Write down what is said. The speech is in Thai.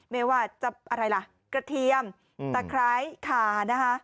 ไม่ว่ากระเทียมตะไคร้ขา